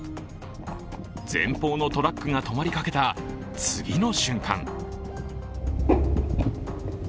前方のトラックが止まりかけた次の瞬間